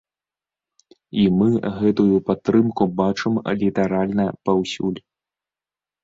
І мы гэтую падтрымку бачым літаральна паўсюль.